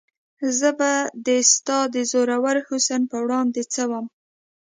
زه به د ستا د زورور حسن په وړاندې څه وم؟